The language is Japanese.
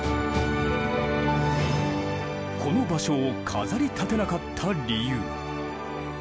この場所を飾りたてなかった理由。